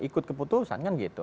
ikut keputusan kan gitu